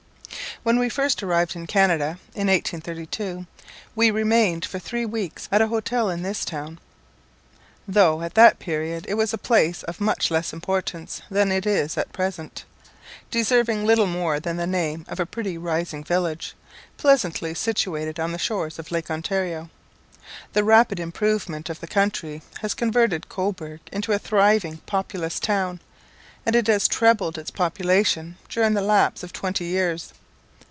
When we first arrived in Canada, in 1832, we remained for three weeks at an hotel in this town, though, at that period, it was a place of much less importance than it is at present, deserving little more than the name of a pretty rising village, pleasantly situated on the shores of Lake Ontario. The rapid improvement of the country has converted Cobourg into a thriving, populous town, and it has trebled its population during the lapse of twenty years.